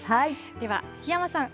では檜山さん